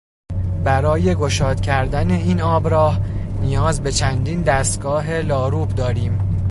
برای گشاد کردن این آبراه نیاز به چندین دستگاه لاروب داریم.